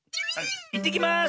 「いってきます！」